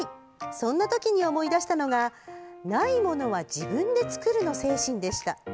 そんな時に思い出したのが「ないものは、自分で作る」の精神でした。